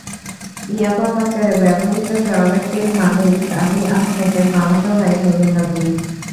ইয়াবা পাচারে ব্যবহৃত ট্রলারটির মালিক আলী আহমেদের মামাতো ভাই নুরুন নবী।